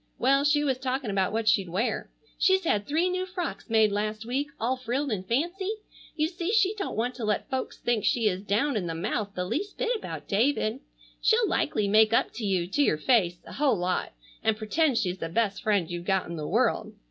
Well, she was talking about what she'd wear. She's had three new frocks made last week, all frilled and fancy. You see she don't want to let folks think she is down in the mouth the least bit about David. She'll likely make up to you, to your face, a whole lot, and pretend she's the best friend you've got in the world.